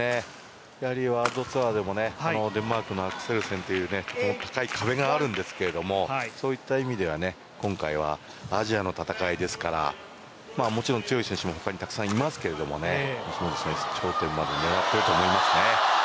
ワールドツアーでもデンマークのアクセルセンという高い壁があるんですがそういった意味では今回はアジアの戦いですからもちろん強い選手も他にたくさんいますけどね西本選手、頂点まで狙っていると思いますね。